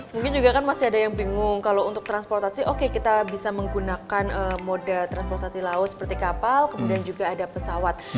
mungkin juga kan masih ada yang bingung kalau untuk transportasi oke kita bisa menggunakan moda transportasi laut seperti kapal kemudian juga ada pesawat